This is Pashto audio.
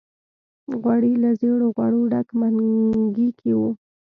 غوړي له زېړو غوړو ډک منګي کې وو.